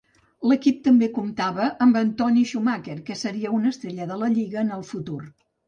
L'equip també comptava amb Anthony Shumaker, que seria una estrella de la lliga en el futur.